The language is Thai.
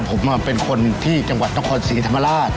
ผมเป็นคนที่จังหวัดตะคอนสีธรรมลาศ